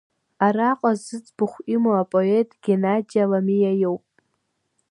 Араҟа зыӡбахә имоу апоет Геннади Аламиа иоуп.